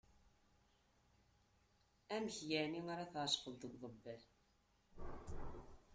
Amek yeɛni ara teɛceq deg uḍebbal!